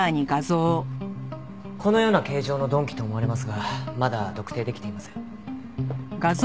このような形状の鈍器と思われますがまだ特定できていません。